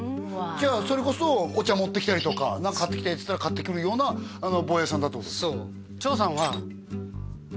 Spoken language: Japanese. じゃあそれこそお茶持ってきたりとか「何か買ってきて」っつったら買ってくるようなボーヤさんだってことですか？